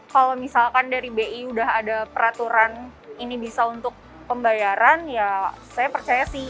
kalau misalkan dari bi udah ada peraturan ini bisa untuk pembayaran ya saya percaya sih